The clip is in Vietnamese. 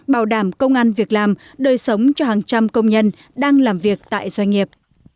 bảo đảm công an việc làm đời sống cho hàng trăm công nhân đang làm việc tại doanh nghiệp